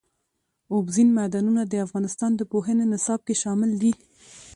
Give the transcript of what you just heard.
اوبزین معدنونه د افغانستان د پوهنې نصاب کې شامل دي.